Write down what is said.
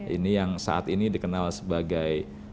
ini yang saat ini dikenal sebagai